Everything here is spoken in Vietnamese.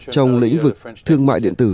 trong lĩnh vực thương mại điện tử